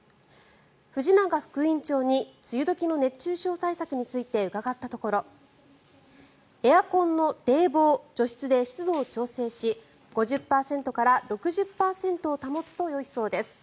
藤永副院長に梅雨時の熱中症対策について伺ったところエアコンの冷房・除湿で湿度を調整し５０％から６０％を保つとよいそうです。